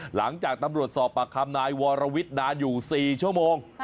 หลังจากตำรวจสอบปากคำนายวรวิทย์นานอยู่๔ชั่วโมง